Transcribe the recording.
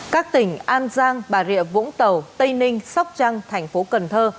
các tỉnh an giang bà rịa vũng tàu tây ninh sóc trăng thành phố cần thơ